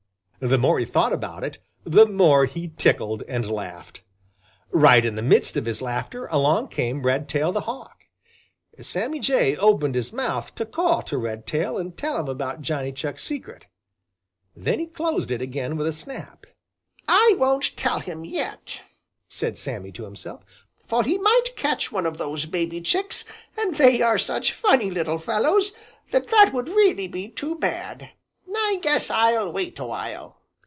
The more he thought about it, the more he tickled and laughed. Right in the midst of his laughter along came Redtail the Hawk. Sammy Jay opened his mouth to call to Redtail and tell him about Johnny Chuck's secret. Then he closed it again with a snap. "I won't tell him yet," said Sammy to himself, "for he might catch one of those baby Chucks, and they are such funny little fellows that that would really be too bad. I guess I'll wait a while."